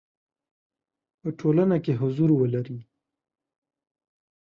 په ټولنه کې حضور ولري.